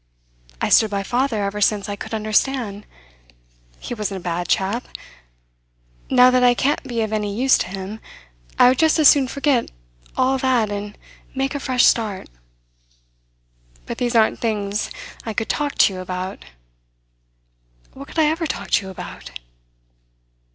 I stood by father ever since I could understand. He wasn't a bad chap. Now that I can't be of any use to him, I would just as soon forget all that and make a fresh start. But these aren't things that I could talk to you about. What could I ever talk to you about?"